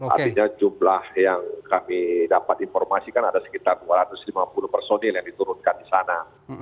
artinya jumlah yang kami dapat informasikan ada sekitar dua ratus lima puluh personil yang diturunkan di sana